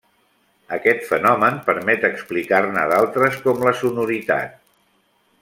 Aquest fenomen permet explicar-ne d'altres com la sonoritat.